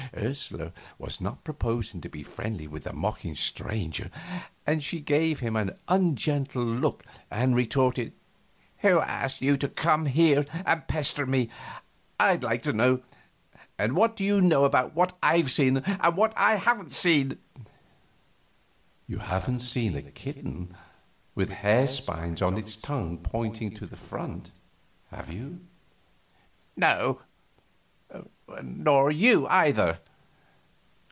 Ursula was not proposing to be friendly with the mocking stranger, and she gave him an ungentle look and retorted: "Who asked you to come here and pester me, I'd like to know? And what do you know about what I've seen and what I haven't seen?" "You haven't seen a kitten with the hair spines on its tongue pointing to the front, have you?" "No nor you, either."